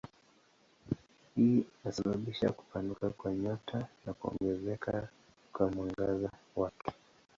Hii inasababisha kupanuka kwa nyota na kuongezeka kwa mwangaza wake.